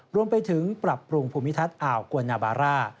รวมไปถึงปรับปรุงภูมิทัศน์อ่าวกวนนาบาร่า